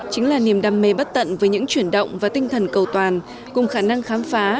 chính là niềm đam mê bất tận với những chuyển động và tinh thần cầu toàn cùng khả năng khám phá